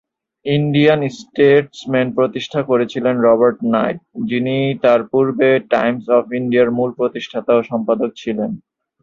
Indian Statesman প্রতিষ্ঠা করেছিলেন Robert night, যিনি তার পূর্বে টাইমস অফ ইন্ডিয়ার মূল প্রতিষ্ঠাতা ও সম্পাদক ছিলেন।